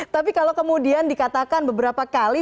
tapi kalau kemudian dikatakan beberapa kali